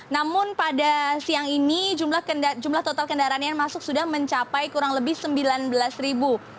namun pada siang ini jumlah total kendaraan yang masuk sudah mencapai kurang lebih sembilan belas ribu